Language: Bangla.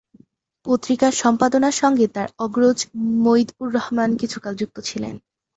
পত্রিকার সম্পাদনার সঙ্গে তার অগ্রজ মঈদ-উর-রহমান কিছুকাল যুক্ত ছিলেন।